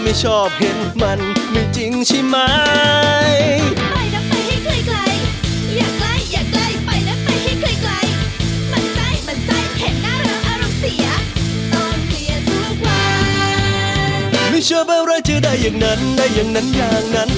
ไม่ชอบอะไรจะได้อย่างนั้นได้อย่างนั้นอย่างนั้น